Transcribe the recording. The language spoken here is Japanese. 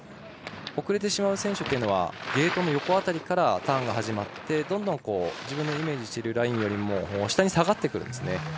遅れてしまう選手はゲートの横辺りからターンが始まってどんどん自分のイメージしているラインより下に下がってくるんですね。